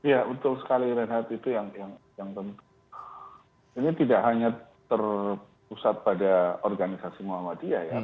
ya itu betul sekali renhardt ini tidak hanya terpusat pada organisasi muhammadiyah ya